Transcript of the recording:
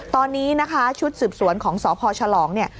ตอนนี้นะคะชุดสืบสวนของสพฉลองเนี่ย